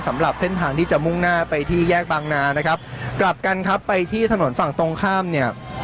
สำหรับเส้นทางที่จะมุ่งหน้าไปที่แยกบางนานะครับกลับกันครับไปที่ถนนฝั่งตรงข้ามเนี่ย